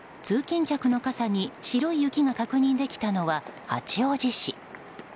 通勤客の傘に白い雪が確認できたのは八王子市。